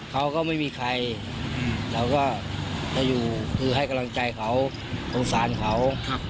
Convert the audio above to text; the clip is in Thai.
เขาก็ไม่มีใครเราก็จะอยู่คือให้กำลังใจเขาสงสารเขา